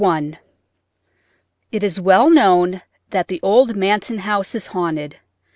I It is well known that the old Manton house is haunted.